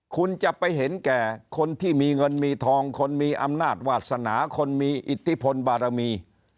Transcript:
คุณจะไปเห็นแก่คนที่มีเงินมีทองคนมีอำนาจวาสนาคนมีอิทธิพลบารมี